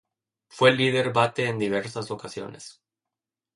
Fue líder bate en diversas ocasiones.